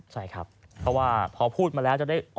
ใช่ครับเพราะว่าพอพูดมาแล้วจะได้